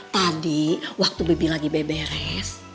tadi waktu bibi lagi beres beres